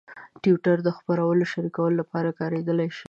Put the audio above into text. ټویټر د خبرونو شریکولو لپاره کارېدلی شي.